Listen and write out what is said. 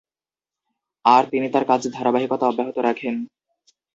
আর তিনি তার কাজের ধারাবাহিকতা অব্যহত রাখেন।